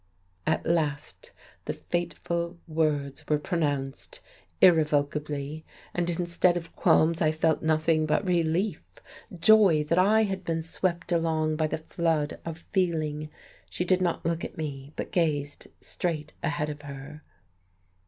At last the fateful words were pronounced irrevocably. And, instead of qualms, I felt nothing but relief, joy that I had been swept along by the flood of feeling. She did not look at me, but gazed straight ahead of her.